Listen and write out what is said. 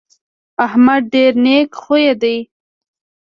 احمد ډېر نېک خویه دی.